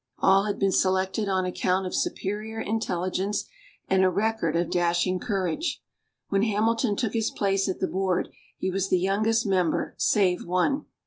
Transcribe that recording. All had been selected on account of superior intelligence and a record of dashing courage. When Hamilton took his place at the board, he was the youngest member, save one.